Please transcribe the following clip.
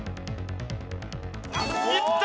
いった！